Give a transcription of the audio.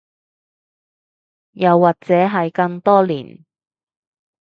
又或者係更多年